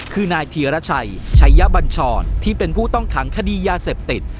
คือนายธีรชัยชัยบัญชรที่เป็นผู้ต้องขังคดียาเสพติด